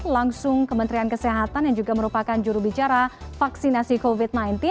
langsung kementerian kesehatan yang juga merupakan jurubicara vaksinasi covid sembilan belas